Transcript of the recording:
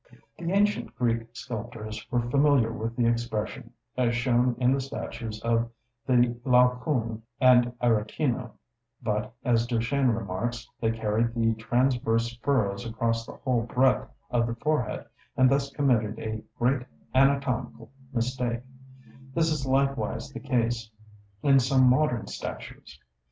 The ancient Greek sculptors were familiar with the expression, as shown in the statues of the Laocoon and Arretino; but, as Duchenne remarks, they carried the transverse furrows across the whole breadth of the forehead, and thus committed a great anatomical mistake: this is likewise the case in some modern statues.